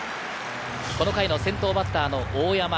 この回の先頭バッターの大山。